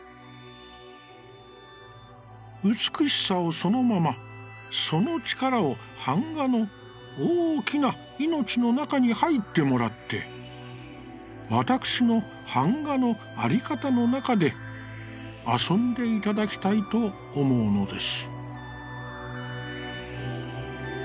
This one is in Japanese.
「美しさをそのままその力を板画の大きな命の中に入ってもらってわたくしの板画のあり方の中で遊んでいただきたいと思うのです」。